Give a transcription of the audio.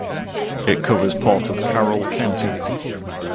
It covers part of Carroll County.